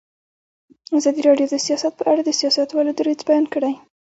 ازادي راډیو د سیاست په اړه د سیاستوالو دریځ بیان کړی.